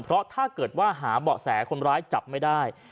เพราะถ้าเกิดว่าหาเบาะแสคนร้ายจับไม่ได้